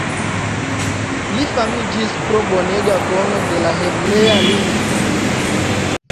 Li famiĝis pro bonega kono de la hebrea lingvo.